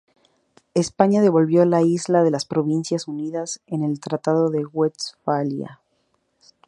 España devolvió la isla a las Provincias Unidas en el Tratado de Westfalia.